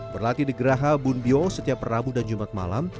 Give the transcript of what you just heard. berlatih di geraha bunbio setiap rabu dan jumat malam